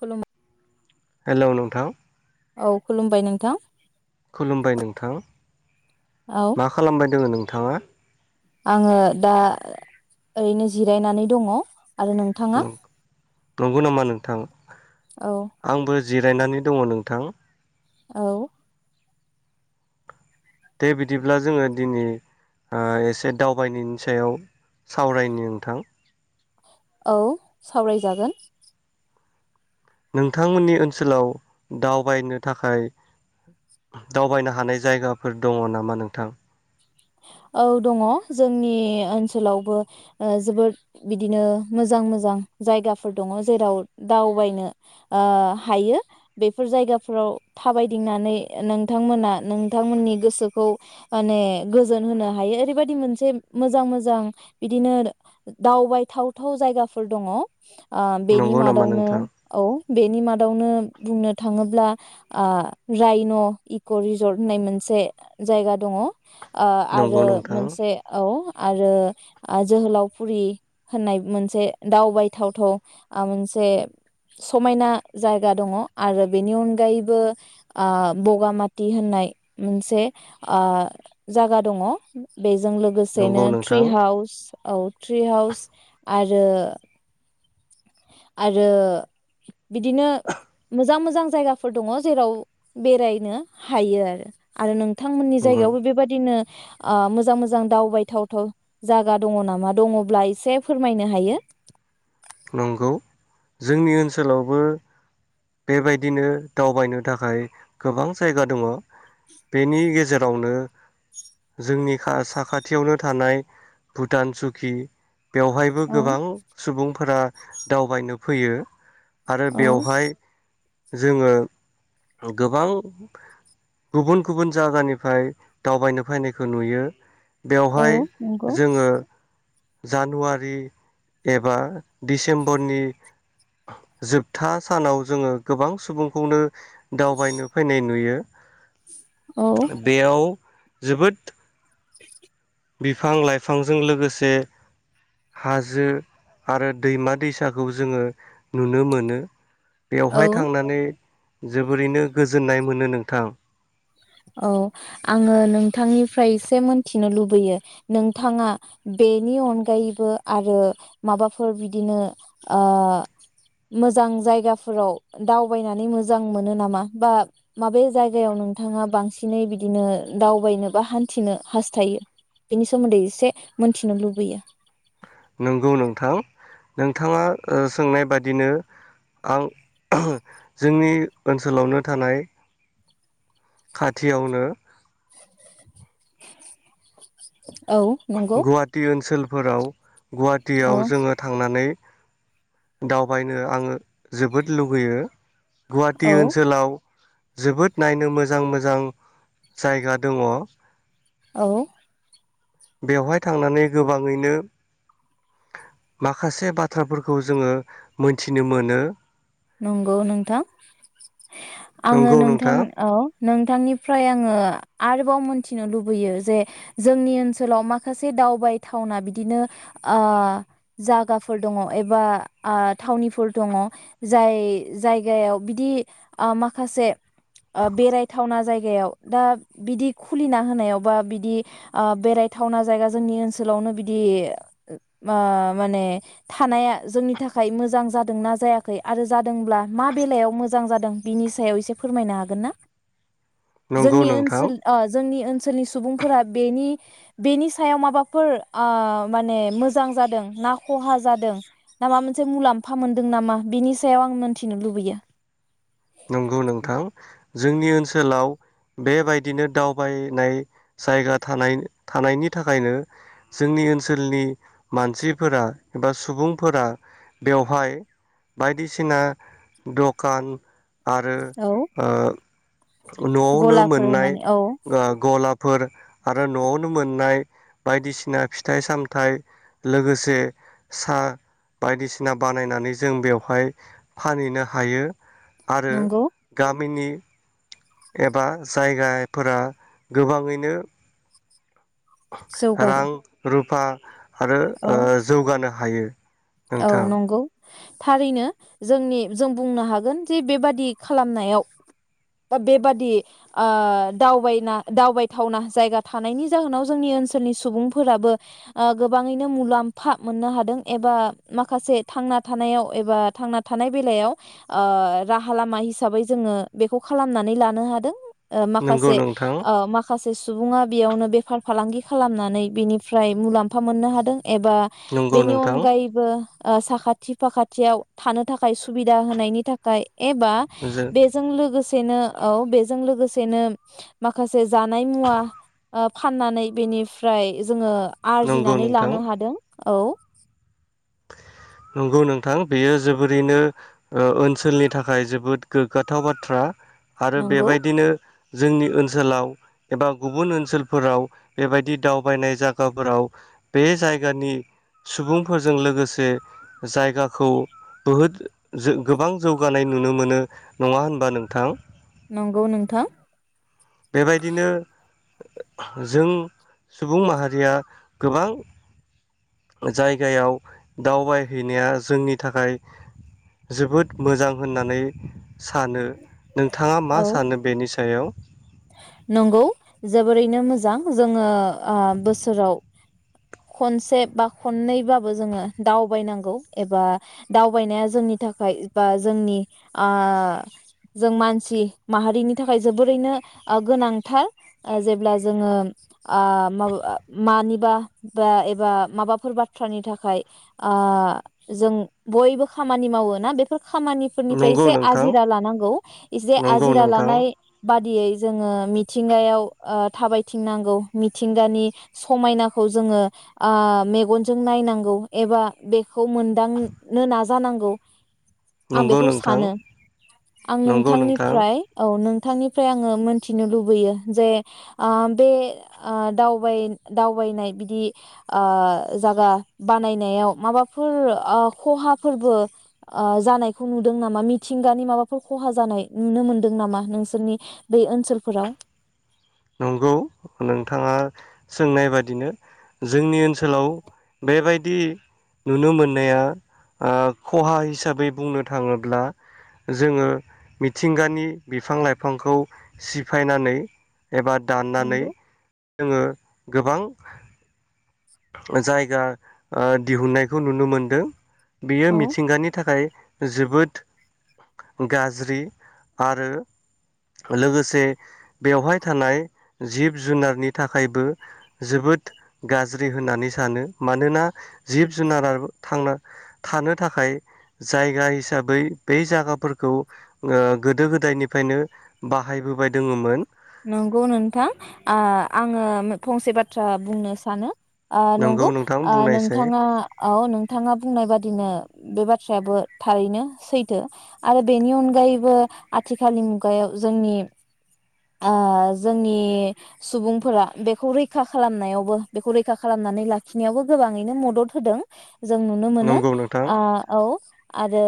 खुलुम। हेलौ नोंथां। औ खुलुमबाय नोंथां। खुलुमबाय नोंथां। मा खालामबाय दोङो नोंथाङा। आंङो दा ओरैनो जिरायनानै दङ। आरो नोंथाङा नंगौ नामा नोंथां औ आंबो जिरायनानै दङ नोंथां। औ। दे बिदिब्ला जोङो दिनै ओ एसे दावबायनायनि सायाव सावरायनि नोंथां। औ सावरायजागोन। नोंथांमोननि ओनसोलाव दावबायनो थाखाय दावबायनो हानाय जायगाफोर दङ नामा नोंथां। औ दङ जोंनि ओनसोलावबो ओ जोबोद बिदिनो मोजां मोजां जायगाफोर दङ जेराव दावबायनो ओ हायो बेफोर जायगाफोराव थाबायदिंनानै नोंथांमोना नोंथांमोननि गोसोखौ माने। गोजोन होनो हायो ओरैबायादि मोनसे मोजां-मोजां बिदिनो दावबायथावथाव जायगाफोर दङ। ओ बेनि नंगौ नामा मादावनो नोंथां औ बेनि मादावनो बुंनो थाङोब्ला ओ रायन' इक' रिजर्ट होननाय मोनसे जायगा दङ ओ नंगौ आरो नोंथां मोनसे औ आरो जोहोलावफुरि होननाय मोनसे दावबाय थावथाव मोनसे समायना जायगा दङ' आरो बेनि अनगायैबो ओ बगामाथि होननाय मोनसे ओ जागा दङ' बेजों नंगौ लोगोसेनो ट्रि नोंथां हाउस औ ट्रि हाउस आरो आरो बिदिनो मोजां मोजां जायगाफोर दङ जेराव बेरायनो हायो आरो आरो नों थांमोननि नंगौ जायगायावबो बेबायदिनो ओ मोजां मोजां दावबाय थावथाव जागा दङ नामा दङब्ला एसे फोरमायनो हायो नंगौ जोंनि ओनसोलावबो बेबायदिनो दावबायनो थाखाय गोबां जायगा दङ' बेनि गेजेरावनो जोंनि खा साखाथियावनो थानाय भुटान सुकि बेवहायबो औ गोबां सुबुं फोरा दावबायनो फैयो आरो औ बेवहाय जोङो गोबां गुबुन गुबुन जायगानिफ्राय दावबायनो फानायखौ नुयो औ बेवहाय नंगौ जोङो जानुवारि एबा दिसेम्बरनि जोबथा सानाव जोङो गोबां सुबुंखौनो दावबायनो फैनाय नुयो औ बेयाव जोबोद [inaudible] बिफां लाइफांजों लोगोसे हाजो आरो दैमा दैसाखौ जोङो नुनो मोनो। बेवहाय औ थांनानै जोबोरैनो गोजोननाय मोनो नोंथां। औ आङो नोंथांनिफ्राय एसे मोनथिनो लुबैयो नोंथाङा बेनि अनगायैबो आरो माबाफोर बिदिनो ओ मोजां जायगाफोराव दावबायनानै मोजां मोनो नामा बा माबे जायगायाव नों थाङा बांसिनै बिदिनो दावबायनो बा हान्थिनो हास्थायो बिनि सोमोन्दै एसे मोनथिनो लुबैयो। नंगौ नोंथां नोंथाङा ओ सोंनाय बादिनो आं जोंनि ओनसोलावनो थानाय खाथियावनो औ नंगौ गुवाहाटि ओनसोल फोराव औ गुवाहाटियाव जोङो थांनानै दावबायनो आङो जोबोद लुगैयो। गुवाहाटि औ ओनसोलाव जोबोद नायनो मोजां मोजां जायगा दङ'। औ बेवहाय थांनानै गोबाङैनो माखासे बाथ्राफोरखौ जोङो मोनथिनो मोनो। नंगौ नोंथां आङो नोंथां औ नोंथांनिफ्राय आङो आरोबाव मोनथिनो लुबैयो जे जोंनि ओनसोलाव माखासे दावबायथावना बिदिनो आ जागाफोर दङ एबा थावनिफोर दङ। जाय जायगायाव बिदि ओ माखासे बेरायथावना जायगायाव दा बिदि खुलिना होनायाव बा बिदि बेरायथावना जायगा जोंनि ओनसोलावनो बिदि ओ माने थानाया जोंनि थाखाय मोजां जादोंना जाया खै आरो जादोंब्ला मा बेलायाव मोजां जादों बिनि सायाव एसे फोरमायनो हागोन ना? नंगौ जोंनि नोंथां ओनसोल ओ जोंनि ओनोल सोलनि सुबुंफोरा बेनि बेनि सायाव माबाफोर ओ माने मोजां जादों ना खहा जादों ना माबा मोनसे मुलाम्फा मोनदों नामा? बिनि सायाव आं मोनथिनो लुबैयो। नंगौ नोंथां जोंनि ओनसोलाव बेबायदिनो दावबायनाय जायगा थानाय थानायनि थाखायनो जोंनि ओनसोलनि मानसिफोरा एबा सुबुंफोरा बेवहाय बायदिसिना दखान, आरो औ न'आवनो गलाफोर मोननाय होनानै औ गलाब फोर आरो न'आवनो मोननाय बायदिसिना फिथाइ सामथाइ लोगोसे साहा बायदिसिना बानायनानै जों बेवहाय फानहैनो हायो। आरो नंगौ गामिनि एबा जायगाफोरा गोबाङैनो जौगारो रां रुप बा आरो औ ओ जौगानो हायो। औ नोंथां नंगौ थारैनो जोंनि जों बुंनो हागोन जे बेबादि खालामनायाव बेबादि ओ दावबायना दावबायथावना जायगा थानायनि जाहोनाव जोंनि ओनसोलनि सुबुंफोराबो ओ गोबाङैनो मुलाम्फा मोननो हादों एबा माखासे थांना थानायाव एबा थांना थानाय बेलायाव ओ राहा लामा हिसाबै जोङो बेखौ खालामनानै लानो हादों। ओ नंगौ माखासे नोंथां ओ माखासे सुबुङा बेयावनो बेफार फालांगि खालामनानै बेनिफ्राय मुलाम्फा मोननो हादों । एबा नंगौ बेनि नोंथां अनगायै ओ साखाथि फाखाथियाव थानो थाखाय सुबिदा होनायनि थाखाय एबा जो बेजों लोगोसे नो औ बेजों लोगोसेनो माखासे जानाय मुवा ओ फाननानै बेनिफ्राय जोङो नंगौ आरजिनानै नोंथां लानो हादों। औ नंगौ नोंथां बेयो जोबोरैनो ओ ओनसोलनि थाखाय जोबोद गोग्गाथाव बाथ्रा । आरो नंगौ बेबायदिनो जोंनि ओनसोलाव एबा गुबुन ओनसोलफोराव बेबायदि दावबायनाय जायगाफोराव बे जायगानि सुबुंफोर जों लोगोसे जायगाखौ बहुद जो गोबां जौगानाय नुनो मोनो नङा होनबा नोंथां? नंगौ नोंथां। बेबायदिनो जों सुबुं माहारिया गोबां जायगायाव दावबायहैनाया जोंनि थाखाय जोबोद मोजां होननानै सानो नोंथाङा मा औ सानो बेनि सायाव? नंगौ जोबोरैनो मोजां जोङो ओ बोसोराव खनसे बा खननैबाबो जोङो दावबायनांगौ एबा दावबायनाया जोंनि थाखाय बा जोंनि ओ जों मानसि माहारिनि थाखाय जोबोरैनो ओ गोनांथार जेब्ला जोङो ओ माब मानिबा बा एबा माबाफोर बाथ्रानि थाखाय ओ जों बयबो खामानि मावोना बेफोर खामानिफोरनिफ्राय नंगौ एसे नोंथां आजिरा लानांगौ एसे नंगौ आजिरा नोंथां लानाय बाददियै जोङो मिथिंगायाव ओ थाबायथिंनांगौ मिथिंगानि समायनाखौ जोङो मेगनजों नायनांगौ एबा बे खौ मोनदांनो नाज जानांगौ। आं नंगौ बेखौ नोंथां सानो आं नंगौ नोंथां नोंथांनिफ्राय औ नों बिथांनिफ्राय आङो मोनथिनो लुबैयो जे ओ बे ओ दावबाय दावबायनाय बिदि ओ जागा बानायनायाव माबाफोर ओ खहाफोरबो ओ जानायखौ नुदों नामा मिथिंगानि माबाफोर खहा जानाय नुनो मोनदों नामा नोंसोरनि बै ओनसोलफोराव नंगौ नोंथाङा सोंनाय बादिनो जोंनि ओनसोलाव बेबायदि नुनो मोननाया ओ खहा हिसाबै बुंनो थाङोब्ला जोङो मिथिंगानि बिफां लाइफांखौ सिफायनानै एबा दाननानै नंगौ जोङो गोबां जायगा ओ दिहुनन्नायखौ नुनो मोनदों। बियो औ मिथिंगानि थाखाय जोबोद गाज्रि आरो लोगोसे बेवहाय थानाय जिब जुनारनि थाखायबो जोबोद गाज्रि ज्रि होननानै सानो मानोना जिब जुनारा थांना थानो थाखाय जायगा हिसाबै बे जागाफोरखौ गोदो गोदायनिफ्रायनो बाहायबोबाय दोङोमोन। नंगौ नोंथां ओ आङो फंसे बाथ्रा बुंनो सानो। ओ नंगौ नोंथां ओ बुंनायसै नोंथाङा औ नोंथाङा बुंनाय बादिनो बे बाथ्रायाबो थारैनो सैथो आरो बेनि अनगायैबो आथिखालनि मुगायाव जोंनि। ओ जोंनि सुबुंफोरा बेखौ रैखा खालामनायावबो बेखौ रैखा खालामनानै लाखिनायावबो गोबाङैनो मदद होदों। जों नुनो मोनो नंगौ नोंथां ओ औ आरो।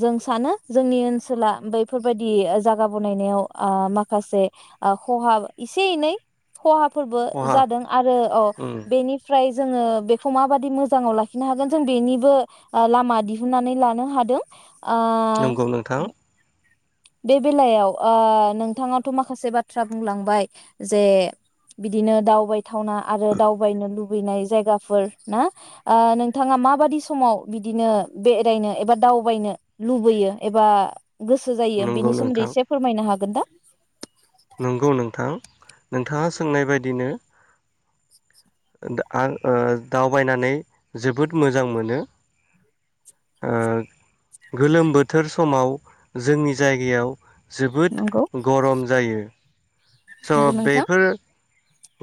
जों सानो जोंनि ओनसोला बैफोरबायदि जायागा बनायनायाव ओ मा खासे ओ खहा इसे एनै खहा फोरबो खहा जादों आरो उम बेनिफ्राय जोङो बेखौ माबादि मोजाङाव लाखिनो हागोन जों बेनिबो लामा दिहुननानै लानो हादों। आ नंगौ नोंथां बे बेलायाव ओ नोंथाङाथ' माखासे बाथ्रा बुंलांबाय जे, बिदिनो दावबाय थावना आरो दावबायनो लु बैनाय जायगाफोर ना। नोंथाङा माबादि समाव बिदिनो बेरायनो एबा दावबायनो लुबैयो एबा गोसो जायो? नंगौ बेनि सोमोन्दै नोंथां एसे फोरमायनो हागोन दा? नंगौ नोंथां। नोंथाङा सोंनाय बायदिनो [unintelligible] आं ओ दावबायनानै जोबोद मोजां मोनो। ओ गोलोम बोथोर समाव जोंनि जायगायाव जोबोद नंगौ गरम जायो। स' नंगौ नोंथां बेफोर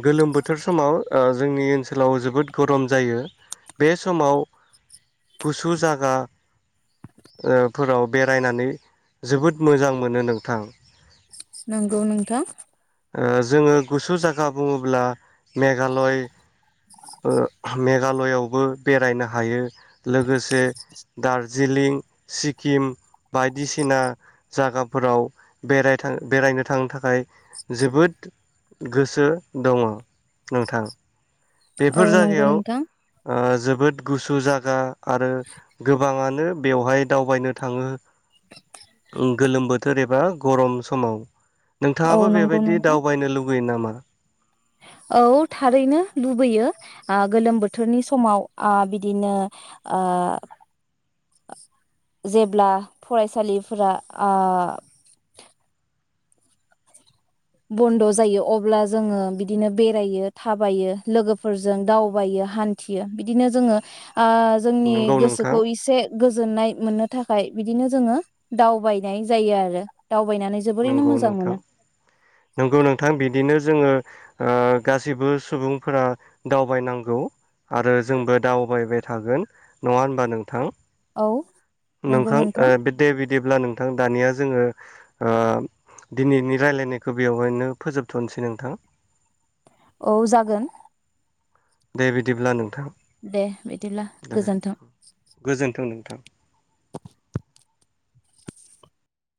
गोलोम बोथोर समाव जोंनि ओनसोलाव जोबोद गरम जायो। बे समाव गुसु जागा ओ फोराव बेरायनानै जोबोद मोजां मोनो नोंथां। नंगौ नोंथां। ओ जोङो गुसु जा गा बुङोब्ला मेघालय मेघालयआवबो बेरायनो हायो। लोगोसे दार जिलिं, सिक्किम बायदिसिना जागाफोराव बेरायां बेरायनो थांनो थाखाय जोबोद गोसो दङ, नोंथां। औ बेफोर नंगौ जायगायाव नोंथां ओ जोबोद गुसु जागा आरो गोबाङानो बेवहाय दावबायनो थाङो। ओम गोलोम बोथोर एबा गरम समाव औ नोंथाङाबो नंगौ बेबायदि नोंथां दावबायनो लु बैयो नामा? औ थारैनो लुबैयो ओ गोलोम बोथोरनि समाव ओ बिदिनो ओ [inaudible] जेब्ला फरायसालिफोरा ओ बन्द' जायो अब्ला जोङो बिदिनो बेरायो थाबायो लोगोफोरजों दावबायो हान्थियो बिदिनो जोङो आ जोंनि नंगौ नोंथां गोसोखौ इसे गो जोननाय मोननो थाखाय बिदिनो जोङो दावबायनाय जायो आरो। दावबायनानै जोबोरैनो नंगौ मोजां नोंथां मोनो। नंगौ नोंथां बिदिनो जोङो ओ गासिबो सुबुंफोरा दावबायनांगौ। आरो जोंबो दावबायबाय थागोन नङा होनबा नोंथां। औ नंगौ नोंखां ओ नोंथां बे दे बिदिब्ला नों नोंथां दानिया जोङो ओ दिनैनि रायलायनायखौ बेवहायनो फोजोबथ'नोसै नोंथां औ जागोन दे बिदिब्ला नोंथां दे बिदिब्ला दे गोजोन्थों [inaudible] [inaudible]